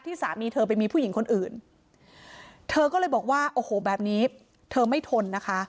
สามีเธอไปมีผู้หญิงคนอื่นเธอก็เลยบอกว่าโอ้โหแบบนี้เธอไม่ทนนะคะ